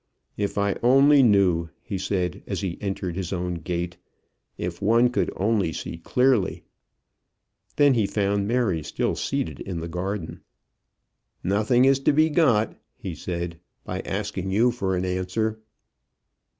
"If I only knew!" he said as he entered his own gate. "If one could only see clearly!" Then he found Mary still seated in the garden. "Nothing is to be got," he said, "by asking you for an answer."